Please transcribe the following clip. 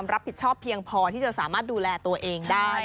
รับผิดชอบเพียงพอที่จะสามารถดูแลตัวเองได้